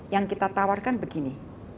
yang kita tawarkan begini